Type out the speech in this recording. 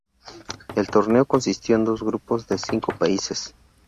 El torneo consistió en dos grupos de cinco países.